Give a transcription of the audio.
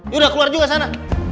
yudha keluar juga sana